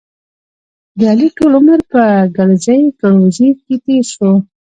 د علي ټول عمر په ګړزې ګړوزې کې تېر شو.